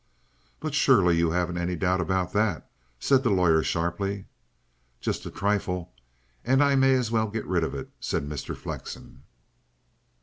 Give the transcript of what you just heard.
"But surely you haven't any doubt about that?" said the lawyer sharply. "Just a trifle, and I may as well get rid of it," said Mr. Flexen.